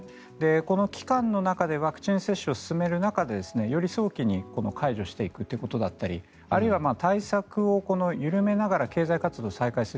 この期間の中でワクチン接種を進める中でより早期に解除していくということだったりあるいは対策を緩めながら経済活動を再開する